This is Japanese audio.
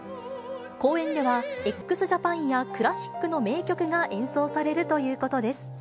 公演では、ＸＪＡＰＡＮやクラシックの名曲が演奏されるということです。